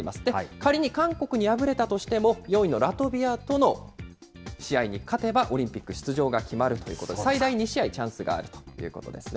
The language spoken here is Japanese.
仮に韓国に敗れたとしても４位のラトビアとの試合に勝てばオリンピック出場が決まるということで、最大２試合、チャンスがあるということですね。